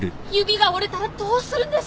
鼻が折れたらどうするんだ。